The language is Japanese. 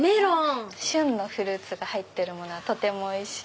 旬のフルーツが入ってるものはとてもおいしい。